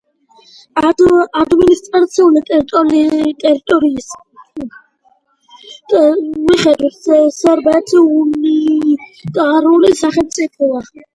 ადმინისტრაციულ-ტერიტორიული დაყოფის მიხედვით სერბეთი უნიტარული სახელმწიფოა.